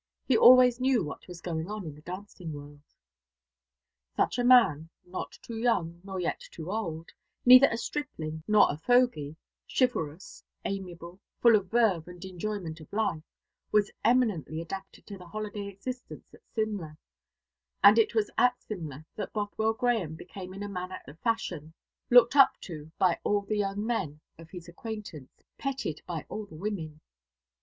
He always knew what was going on in the dancing world. Such a man, not too young nor yet too old neither a stripling nor a fogey chivalrous, amiable, full of verve and enjoyment of life, was eminently adapted to the holiday existence at Simla; and it was at Simla that Bothwell Grahame became in a manner the fashion, looked up to by all the young men of his acquaintance, petted by all the women.